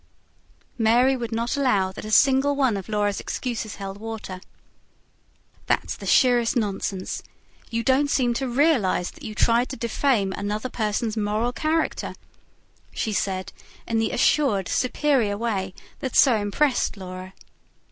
Mary would not allow that a single one of Laura's excuses held water. "That's the sheerest nonsense. You don't seem to realise that you tried to defame another person's moral character," she said, in the assured, superior way that so impressed Laura.